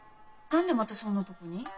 何でまたそんなとこに？